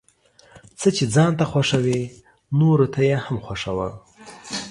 څه چې ځان ته خوښوې نوروته يې هم خوښوه ،